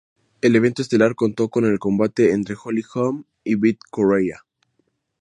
El evento estelar contó con el combate entre Holly Holm y Bethe Correia.